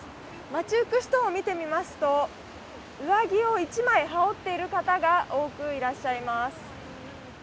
街ゆく人を見てみますと上着を１枚羽織っている方が多くいらっしゃいます。